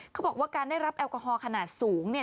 เขาบอกว่าการได้รับแอลกอฮอลขนาดสูงเนี่ย